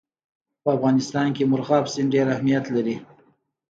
په افغانستان کې مورغاب سیند ډېر اهمیت لري.